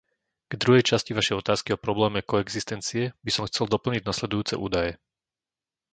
K druhej časti vašej otázky o probléme koexistencie by som chcel doplniť nasledujúce údaje.